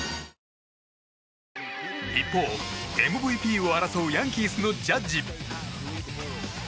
一方、ＭＶＰを争うヤンキースのジャッジ。